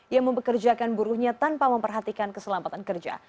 yang membekerjakan buruhnya tanpa memperhatikan keselamatan kerja